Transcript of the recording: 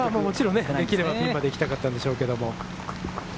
できればピンまで行きたかったんでしょうけど。